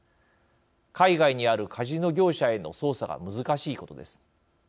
海外にあるカジノ業者への捜査が難しいことです。